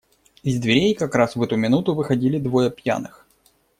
Из дверей, как раз в эту минуту, выходили двое пьяных.